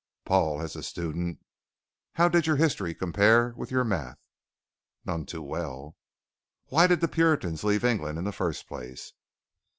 "Paul, as a student, how did your history compare with your math?" "None too well." "Why did the Puritans leave England in the first place?"